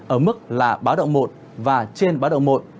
ở mức là báo động một và trên báo động một